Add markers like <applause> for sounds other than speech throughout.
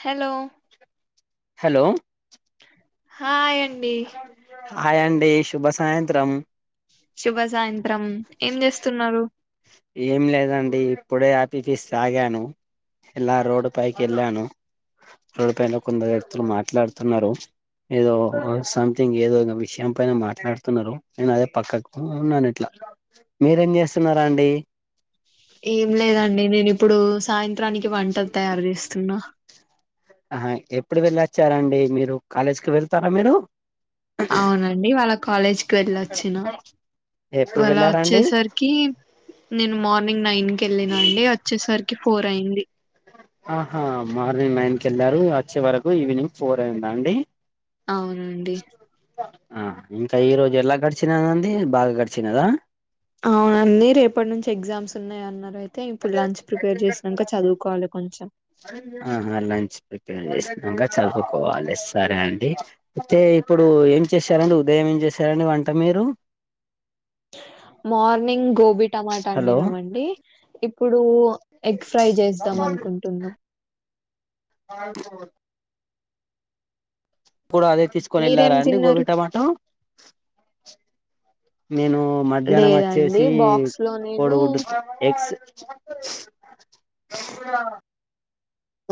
Hello hello హా ఏం హాయండి శుభ సాయంత్రం శుభ సాయంత్రం ఏం చేస్తున్నారు ఏం లేదండి ఇప్పుడే హ్యాపీ తీస్ తగాను ఇలా రోడ్డు పైకి వెళ్ళాను రోడ్ పైన కొందరు వ్యక్తులు మాట్లాడుతున్నారు ఏదో సంథింగ్ ఏదో విషయం పైన మాట్లాడుతున్నారు నేను అదే పక్కకు ఉన్నాను ఇట్లా మీరేం చేస్తున్నారా అండి ఏం లేదండి నేను ఇప్పుడు సాయంత్రం చిానికి వంటలు తయారు చేస్తాారు సున్నా ఆ ఎప్పుడు వెళ్ళొచ్చారండి మీరు కాలేజ్కి వెళ్తారా మీరు అవునండి వాళ్ళ కాలేజ్కి వెళ్ళొచ్చిన ఎప్పుడు వాళ్ళ వెళ్ళారండి వచ్చేసరికి నేను మార్ మార్నింగ్ నైన్ కి వెళ్ళినా అండి వచ్చేసరికి ఫోర్ అయింది ఆహా మార్నింగ్ నైన్ కి వెళ్ళారు వచ్చే వరకు ఈవినింగ్ ఫోర్ అయిందా అండి అవునండి ఆ ఇంకా ఈ రోజు ఎలా గడిచినదండి బాగా గడిచినదా అవునండి రేపటి నుంచి ఎగ్జామ్స్ ఉన్నాయ అన్నారుయితే అయితే ఇప్పుడు లంచ్ ప్రిపేర్ చేసినాక చదువుకోవాలి కొంచెం చేంక చదువుకోవాలి సరే అండి అయితే ఇప్పుడు ఏం చేశారండి ఉదయం ఏం చేశారండి వంట మీరు మార్నింగ్ గోబ బ టమాటా హలో అండినామండి ఇప్పుడు ఎగ్ ఫ్రై చేద్దాం అనుకుంటున్నాం ఇప్పు అదే తీసుకొని మీరేం వెళ్లారా అండి తిన్నారు గోబీ టమాటో నేను మధ్యాహ్నం లేదండి వచ్చేసి బాక్స్ లో నేను కోడిగుడ్డు ఎక్స్ <unintelligible>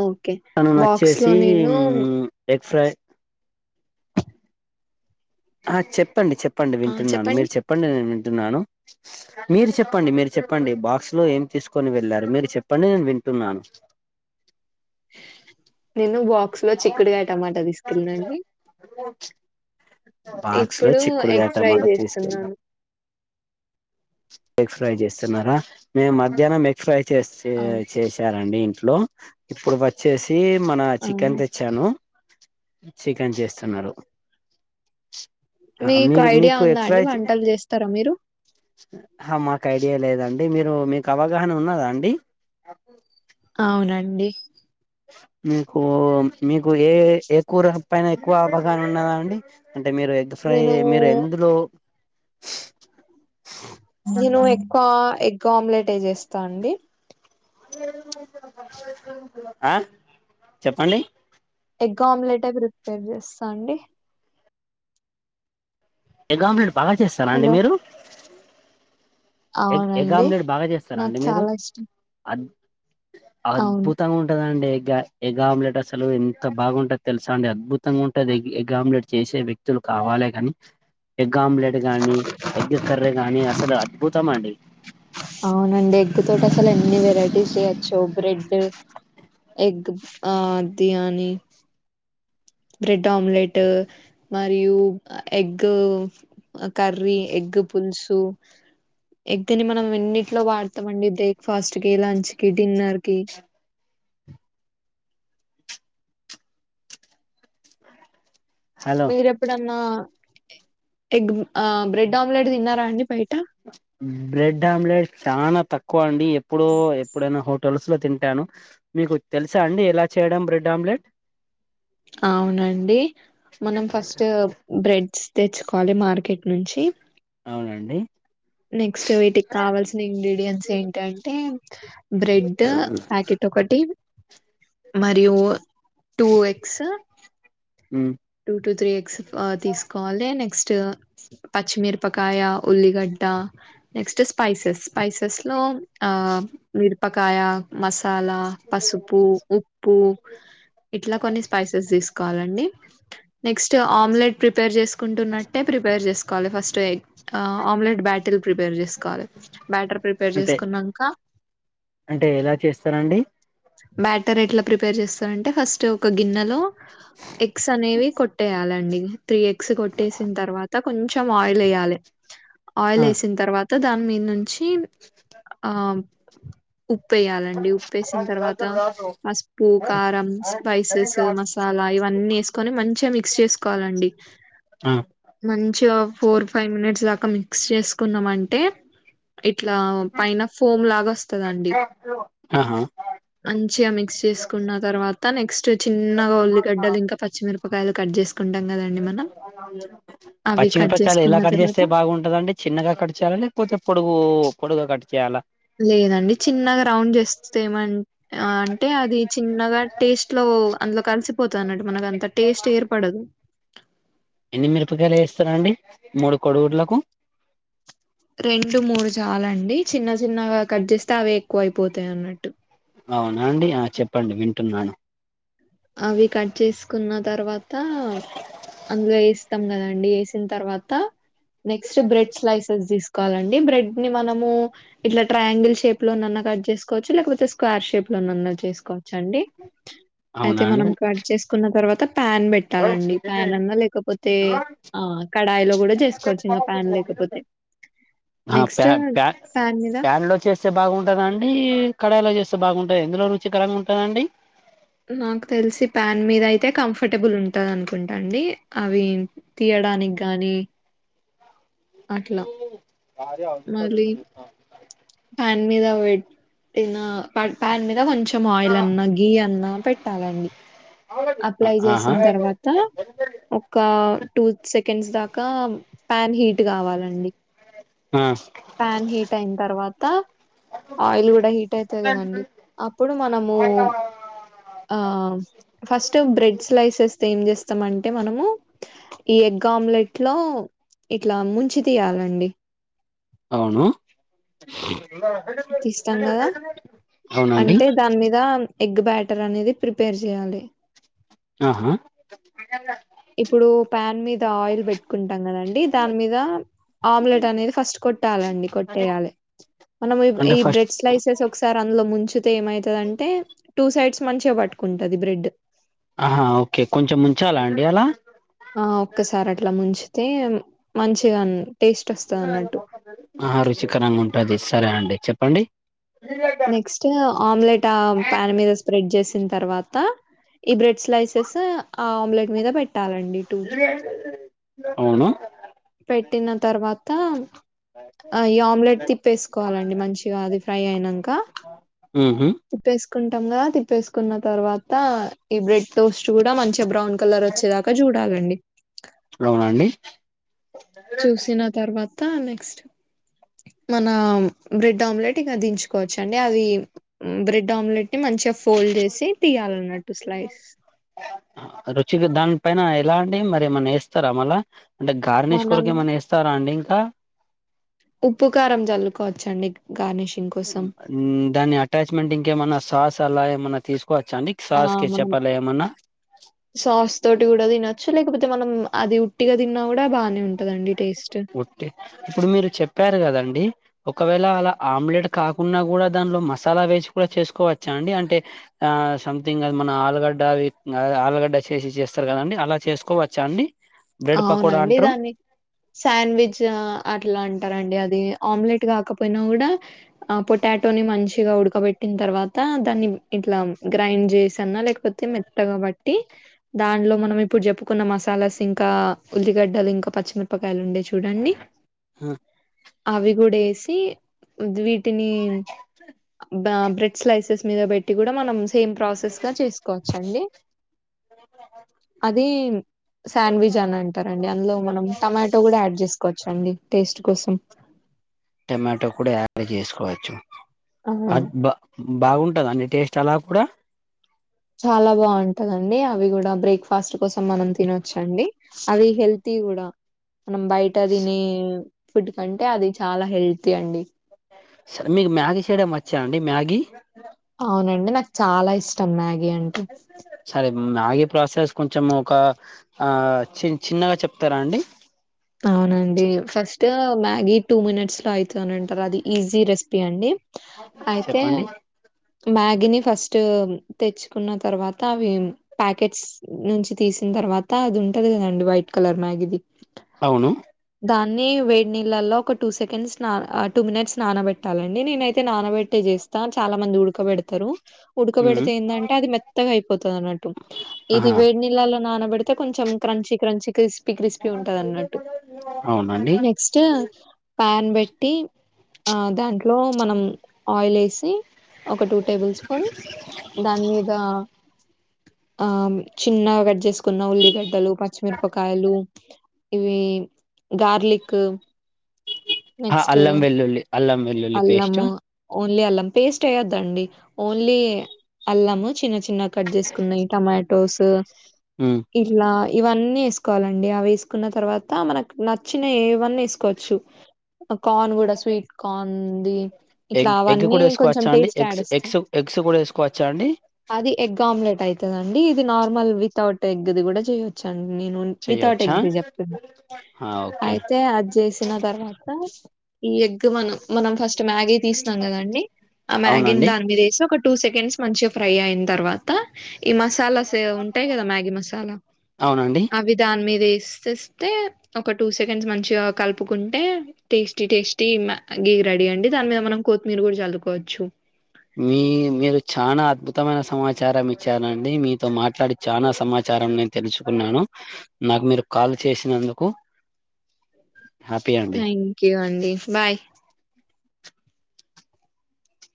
ఓకే తను బాక్స్ లో నచ్చేసి నేను ఏ ఫ్రై ఆ చెప్ చెప్పండి చెప్పండి వింటున్నాను మీరు చెప్పండి నేను న్నా మీరు చెప్పండి మీరు చెప్పండి బాక్స్ లో ఏం తీసుకుొని వెళ్ళారు మీరు చెప్పండి నేను వింటున్నాను నిేను బా బాక్స్ లో చిక్కుడుకాయ టమాటా తీసుకెళ్ళి నా అండి బాక్స్ లో చిక్కుడుగాయ ఎగ్ ఫ్రై టమాట తీసుకెళ్ళి చేస్తున్నాను ఎగ్ ఫ్రై చేస్తున్నారా మేము మధ్యాహ్నం ఎగ్ ఫ్రై చేస్ అవును చేశ అండి ఇంట్లో ఇప్పుడు వచ్చేసి అతే మన అవును చికెన్ తెచ్చాను చికెన్ చేస్తున్నారు మీకు మీరు ఐడియా ఉందా ఎగ్ అండి ఫ్రై వంటలు చేస్తారా మీరు మాకు ఐడియా లేదండి మీరు మీకు అవగాహన ఉన్నదా అండి అవునండి మీకు మీక్ కు ఏ ఏ కూర పైన ఎక్కువ అవగాహన ఉన్నది అండి అంటే మీరు ఎగ్ ఫ్రై నేను మీరు ఎందులో నేను ఎక్కువ ఎగ్ గ్ ఆమ్లెట్ ఏ చేస్తా అండి ఆ చెప్పండి ఎగ్ ఆమ్లెట్ ఏ ప్రిపేర్ చేస్తా అండి ఎగ్ ఆమ్లెట్ బాగా చేస్తారా అండి హలో మీరు ఎగ్ ఎగ్ అవునండి ఆమ్లెట్ బాగా చేస్తారా నాకు అండి మీరు చాలా ఇష్టం అ అవును అద్భుతంగా ఉంటదండి గ్యా ఎగ్ ఆమ్లెట్ అసలు ఎంత బాగుంటాదో తెలుసా అండి అద్భుతంగా ఉంటుంది ఎగ్ ఎగ్ ఆమ్లెట్ చేసే వ్యక్తులు కావాలే కాని ఎగ్ ఆమ్లెట్ గానీ ఎగ్ కర్రీ గానీ అస్ కదా అద్భుతం అండి అవునండి ఎగ్ తోటి అసలు ఎన్ని వెరైటీస్ చెయచ్చు బ్రెడ్ ఎగ్ ఆ ఆది అని బ్రెడ్ ఆమ్లెట్ మరియు ఎగ్ కర్రీ ఎగ్ పులుసు ఎగ్ నీ మనం ఎన్నిట్లో వాడతామండి బ్రేక్ఫాస్ట్ కి లంచ్ కి డిన్నర్ కి హలో మీరు ఎప్పుడన్నా ఎగ్ ఆ బ్రెడ్ ఆమ్లెట్ తిన్నారా అండి బయట బ్రెడ్ ఆమ్లెట్ చాలా తక్కువ అండి ఎప్పుడో ఎప్పుడైనా హోట తులసులో తింటాను మీకు తెలుసా అండి ఎలా చేయడం బ్రెడ్ ఆమ్లెట్ అవునండి మనం ఫస్ట్ బ్రెడ్స్ తెచ్చుకోవాలి మార్కెట్ నుంచి అవునండి నెక్స్ట్ వీటికి కావాల్సిన ఇంగ్రీడియంట్స్ ఏంటంటే బ్రెడ్ ప్యాకెట్ ఒక్కటి మరియు టూ ఎగ్స్ ఉ టూ టూ త్రీ ఎగ్స్ ఆ తీసుకోవాలి నెక్స్ట్ స్ట్ పచ్చమిరపకాయ ఉల్లిగడ్డ నెక్స్ట్ స్పైసస్ స్పైస్ లో ఆ మీరపకాయ మస్ మసాలా పసుపు ఉప్పు ఇట్లా కొన్ని స్పైసెస్ తీసుకోవాలండి నెక్స్ట్ ఆమ్లెట్ ప్రిపేర్ చేసుకుంటున్నట్టే ప్రిపేర్ చేసుకోవాలి ఫస్ట్ ఎగ్ ఆ ఆమ్లెట్ బ్యాటిల్ ప్రిపేర్ చేసుకోవాలి బ్యాటిల్ ప్రిపేర్ అంటే చేసుకున్నాంక అంటే ఎలా చేస్తారండి బ్యాటర్ ఎట్ల ప్రిపేర్ చేస్తారంటే ఫస్ట్ ఒక గిన్నెలో అనేవి కొట్టేయాలండి త్రీ ఎగ్స్ కొట్టేసిన్ తర్వాత కొంచం ఆయిల్ ఎయ్యాలి ఆయిల్ ఆ ఏసిన తర్వాత దాని మీద్ నుంచి ఆ ఉప్పు ఏయాలండి ఉప్పు వేసిన తర్వాత పసుపు కారం స్పైసెస్ మసాలా ఇవన్నీ వేసు మంచీగా మిక్స్ చెస్కోవలండి ఆ మంచి ఫోర్ ఫైవ్ మినిట్స్ దాకా మిక్స్ చేసుకున్నాం అంటే ఇట్లా పైన ఫోమ్ లాగా వస్తదండి ఆహా మంచిగా మిక్స్ చేసుకున్న తర్వాత నెక్స్ట్ చిన్నగా ఉల్లిగడ్డలు ఇంకా పచ్చిమిరపకాయలు కట్ చేసు అవి పచ్చి కట్ మిరపకాయలు ఎలా చేసుకున్న తర్వాత కట్చేస్తే బాగుంటదండి చిన్నగా కట్ చేయాల లేకపోతే పొడుగూ పొడుగ కట్ చేయాల లేదండి చిన్నగా రౌండ్ చేస్తే ఏమన్ ఆ అంటే అది చిన్నగా టేస్ట్ లో అందులో కలిసిపోత అన్నట్టు మనకు అంత టేస్ట్ ఏర్పడదు ఎన్ని మిరపకాయలు ఏస్తరండి మూడు కోడుగుడ్లకు రెండు మూడు చాలండి చిన్న చిన్నగా కట్ చేస్తే అవే ఎక్కువ అయిపోతాయి అన్నట్టు అవునా అండి ఆ చెప్పండి వింటున్నాను అవి కట్ చేసుకున్న తర్వాత అందులో ఏస్తాం కదండి వేసిన తర్వాత నెక్స్ట్ బ్రెడ్ స్లైసెస్ తీసుకోవాలండి బ్రెడ్ ని మనము ఇట్లా ట్రయాంగిల్ షేప్ లోనన్నా కట్ చేసుకోవచ్చు లేకపోతే స్క్వేర్ షేప్ లోనన్నా చేసుకోవచ్చు అండి అయితే అవునా మనం అండి కట్ చేసుకున్న తర్వాత పాన్ బెట్టాలండి. పాన్ అన్నా లేకపోతే ఆ! కడాయిలో గూడా జేసుకోవచ్చు ఇంగ పాన్ లేకపోతే. ఆ నెక్స్ట్ ప్యా ప్య ప్య పాన్ మీద ప్యాన్లో చేస్తే బాగుంటద అండి కడాయిలో చేస్తే బాగుంట ఎందులో రుచికరంగా ఉంటదండి నాకు తెలిసి ప్యాం మీద అయితే కంఫర్టబుల్ ఉంటుంది అనుకుంటా అండి అవి తీయడానికి గానీ అట్లా భార అఔ మళ్ళీ పాన్ మీద పెట్టిన పన్ మీద కొంచెం ఎం ఆయిల్ అన్నా గి అన్నా పెట్టాలండి అప్లై ఆహా చేసిన తర్వాత ఒక టూ సెకండ్స్ దాకా ఇకా ప్యాన్ హీట్ కావాలండి ఆ ప్యాన్ హీట్ అయిన తర్వాత ఆయిల్ కూడా హీట్ అయితాయి కదండి అప్పుడు మనము ఆ ఫస్ట్ బ్రెడ్ స్లైసెస్ ఏం చేస్తామంటే మనము ఈ ఎగ్ ఆమ్లెట్ లో ఇట్లా ము మంచి తీయాలండి అవును తెస్తాం కదా అవునండి అంటే దాని మీద ఎగ్ బ్యాటర్ అనేది ప్రిపేర్ చేయాలి ఆహా ఇప్పుడు ప్యాన్ మీద ఆయిల్ పెట్టుకుంటాం కదండి దాని మీద ఆమ్లెట్ అనేది ఫస్ట్ కొట్టాలండి కొట్టేయాలి మనం అంటే ఈ ఫస్ట్ బ్రెడ్ స్లైసెస్ ఒకసారి అందులో ముంచ ఏమైతుంది అంటే టూ సైడ్స్ మంచిగా పట్టుకుంటది బ్రెడ్ ఆ ఓకే కొంచెం ఉంచాలా అండి అలా ఆ ఒక్కసారి అట్లా ముంచితే మంచిగా టేస్ట్ వస్తదన్నట్టు ఆ రుచికరంగా ఉంటుది సరే అండి చెప్పండి నెక్స్ట్ ఆమ్లెట్ ఆ ప్యాన్ మీద స్ప్రెడ్ చేసింది తర్వాత ఈ బ్రెడ్ స్లైసెస్ ఆ ఆమ్లెట్ మీద పెట్ట <inaudible> అవునా పెట్టిన తర్వాత ఈ ఆమ్లెట్ తిప్పేసుకోవాలండి మంచిగా అది ఫ్రై అయినాక ఉహు తిప్పేసుకో కుాం కదా తిప్పేసుకున్న తర్వాత ఈ బ్రెడ్ టోస్ట్ కూడా మంచి బ్రౌ కలర్ వచ్చేదాకా చూడాలండి అవునండి చూసిన తర్వాత నెక్స్ట్ మన బ్రెడ్ ఆమ్లెట్ ఇక దించుకోవచ్చండి అది బ్రెడ్ ఆమ్లెట్ ని మంచిగా ఫోల్డ్ చేసి తీయాలానటు స్లైస్ రుచికి దాని పైన ఎలా అంటిడి మరి ఏమన్నా వేస్తారా మలా అంటే గార్నిష్ మనం కొరకు ఏమన్నా ఇస్తాండికా ఆ ఉప్పు కారం జల్లుకోవచ్చండి దాని అటాచ్మెంట్ ఇంకేమ సాస్ అలా ఏమ తీసు ఆ మనం సాస్ తోటి కూడా తిన లేకపోతే మనం అది ఉట్టిగా తిన్నా కూడా బానే ఉంటుంది ట్టే ఇప్పుడు మీరు చెప్పారు కదండి ఒకవేళ అలా ఆమ్లెట్ కాకుండా కూడా దానిలో మసాలా వేసి కూడా చేసుకోవచ్చా అండి అంటే ఆ సంథింగ్ అది మన ఆలుగడ్డ ఆలుగడ్డ చేసి చేస్తారు కదండి అలా చేసుకోవచ్చా అండి బ్రెడ్ పకోడా అవునండి అంటారు దాన్ని శాండ్విచ్ అట్లా అంటారుండి అది ఆమ్లెట్ కాకపోయినా కూడా పొటాటో మంచిగా ఉడకబెట్టి తర్వాత దాన్ని ఇట్లా గ్రైండ్ చేశాన్న లేకపోతే మెత్తగా బట్టి దానిలో మనం ఇంకా ఉల్లిగడ్డలు ఇంకా పచ్చిమిరపకాయలు ఉండే చూడండి అవి కూడా వేసి టీ <unintelligible> తానేం బ బ్రెడ్ స్లైసాస్ మీద పెట్టి కూడా మనం సేమ్ ప్రాసెస్ గా చేసుకోవచ్చండి అది సాండ్విజ్ అని అంటారు అండి అందులో మనం టొమాటో కూడా యాడ్ చేసుకోవచ్చ అండి టేస్ట్ కోసం టొమాటో కూడా యాడ్ చేసుకో కోవచ్చు అవును అది బా బాగుంటద అండి టేస్ట్ అలా కూడా చాలా బాగుంటందండి అవి కూడా బ్రేక్ఫాస్ట్ కోసం మనం తినొచ్చండి అది హెల్తీ కూడా మనం బయట తినే ఫుడ్ కంటే అది చాలా హెల్తీ అండి సరే మీకు మ్యాగీ చేయడం వచ్చా అండి మ్యాగీ అవునండి నాకు చాలా ఇష్టం మ్యాగీ అంటె సరే మ్యాగీ ప్రాసెస్ కొంచెం ఒక ఆ చి చిన్నగా చెప్తారా అండి అవునండి ఫస్ట్ మ్యాగీ టూ మినిట్స్ లో అవుతు అనింటారు అది ఈజీ రెసిపీ అండి అయితే చెప్పండి మ్యా దిన్ని ఫస్ట్ తెచ్చుకున్న తర్వాత అవి ప్యాకెట్స్ నుంచి తీసిన తర్వాత అది ఉంటది కదండి వైట్ కలర్ మ్యాగది అవును దాన్ని వేడి నీళ్ళల్లో ఒక టూ సెకండ్స్ నా టూ మినిట్స్ నానబెట్టాలండి నేనైతే నానబెట్టే చేస్తా చాలా మంది ఊడకబేడతారు మ్మ్. ఉడకబెడితే ఏందంటే అది మెత్తగా అయిపోతుంది అన్నట్టు ఇది ఆహా వేడి నీళ్ళలో నానబడితే కొంచం క్రంచి క్రంచి క్రి క్రిస్పీ ఉంటది అన్నట్టు అవునండి ప్యాన్ పెట్టి ఆ దాంట్లో మనం ఆయిల్ వేసి ఒక టూ టేబుల్ స్పూన్ దాని మీద ఆ చిన్న కట్ చేస్ న్న ఉల్లిగడ్డలు పచ్చిమిరపకాయలు ఇవి గార్లిక్ ఆ నెక్స్ట్ అల్లం వెల్లుల్లి అల్లం వెల్లుల్లి పేస్ట్ అల్లము ఓన్లీ అల్లం పేస్ట్ ఏయద్దండి ఓన్లీ అల్లము చిన్న చిన్నగ్ కట్ చేసుకున్నయి టమాటోస్ ఇల్లా ఇవన్నీ వేసుకోవాలండి అవి వేసుకున్న తర్వాత మనకు నచ్చినవి ఏవన్న వేసుకోవచ్చు అ కార్న్ కూడా స్వీట్ కార్న్ది ఇట్లా ఎగ్ ఎగ్ అవన్నీ కూడా కొంచం వేసుకోవచ్చా అండి టేస్ట్ యాడ్ ఎగ్స్ వస్తది ఎగ్స్ ఎగ్స్ కూడా వేసుకోవచ్చా అండి అది ఎగ్ ఆమ్లెట్ అయిత్ తదండి ఇది నార్మల్ వితౌట్ ఎగ్ది కూడా చేయొచ్చండి. నేను వితౌట్ చెయొచ్చా ఎగ్ది చెప్తున్న ఓకే అయితే అది చేసిన తర్వాత ఈ ఎగ్ మనం మనం ఫస్ట్ మ్యాగీ తీస్న్నాం కదండి ఆ మ్యాగీని అవునండి దాని మీద వేసి ఒక టూ సెకండ్స్ మంచిగ ఫ్రై అయ్యిన తర్వాత ఈ మసాలాస్ ఉంటాయి కదా మ్యాగీ మసాలా అవునండి అవి దాని మీద వే వేస్తేస్తే ఒక టూ సెకండ్స్ మంచిగా కలుపుకుంటే టేస్టీ టేస్టీ మ్యా గీ రెడీ అండి దాని మీద మనం కొతీమీర కూడా చల్లుకోచ్చు. మీ మీరు చానా అద్భుతమైన సమాచారం ఇచ్చారండి. మీతో మాట్లాడి చానా సమాచారం నేను తెలుసుకున్నాను. నాకు మీరు కాల్ చేసినందుకు హ్యాపీ అండి థ్యాంక్ యూ అండి బాయ్